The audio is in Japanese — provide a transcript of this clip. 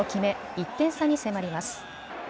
１点差に迫ります。